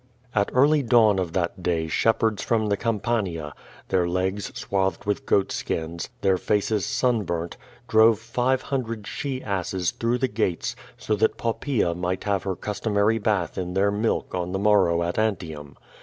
At early dawn of that day shepherds from the Campania, their legs swathed with goat skins, their faces sunburnt, drove five hundred she asses through the gates, so that Poppaca might have her customary bath in their milk on the morrow at Antium.